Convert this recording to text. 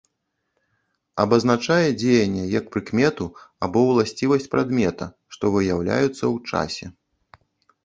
Абазначае дзеянне як прыкмету або ўласцівасць прадмета, што выяўляюцца ў часе.